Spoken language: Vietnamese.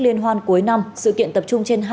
liên hoan cuối năm sự kiện tập trung trên